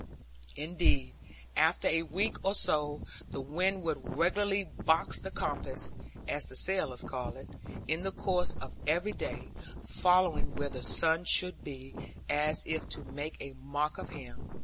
Indeed, after a week or so, the wind would regularly box the compass (as the sailors call it) in the course of every day, following where the sun should be, as if to make a mock of him.